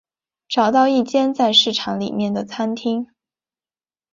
找到一间在市场里面的餐厅